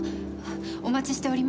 お待ちしておりました。